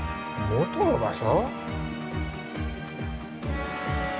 元の場所？